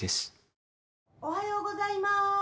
・おはようございます。